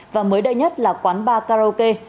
và mới đây nhất là quán bar karaoke